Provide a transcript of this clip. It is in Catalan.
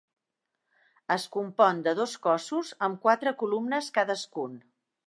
Es compon de dos cossos amb quatre columnes cadascun.